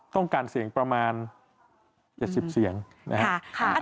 ต้องการเสียงประมาณ๗๐เสียงนะครับ